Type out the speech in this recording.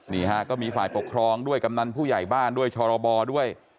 นี่ฮะก็มีฝ่ายปกครองด้วยกำนันผู้ใหญ่บ้านด้วยชรบด้วย